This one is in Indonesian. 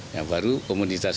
yang baru komunitas